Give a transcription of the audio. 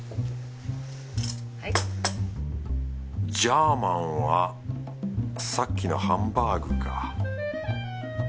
ジャーマンはさっきのハンバーグか。